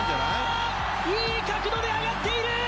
いい角度で上がっている！